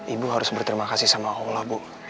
ibu harus berterima kasih sama allah bu